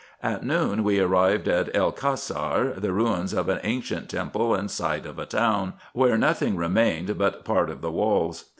At noon we arrived at El Cassar, the ruins of an ancient temple, and site of a town, where nothing remained but part of the walls.